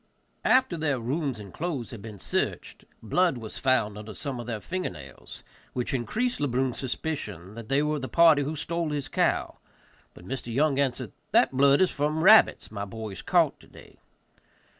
After their rooms and clothes had been searched, blood was found under some of their finger nails, which increased Le Brun's suspicion that they were of the party who stole his cow; but Mr. Young answered, "that blood is from rabbits my boys caught today."